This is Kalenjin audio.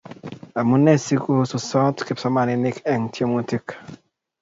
Amunee si kosusot kipsomaninik eng temutik?